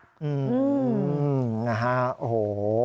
อืมโอ้โห